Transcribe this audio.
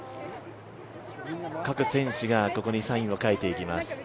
各選手がここにサインを書いていきます。